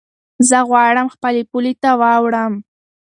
زه غواړم هغې پولې ته واوړم.